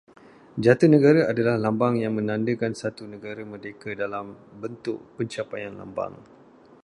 Jata negara adalah lambang yang menandakan satu negara merdeka dalam bentuk pencapaian lambang